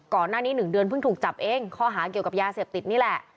ก่อนหน้านี้๑เดือนเพิ่งถูกจับเองข้อหาเกี่ยวกับยาเสพติดนี่แหละ